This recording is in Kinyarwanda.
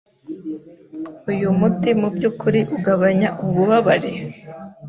Uyu muti mubyukuri ugabanya ububabare?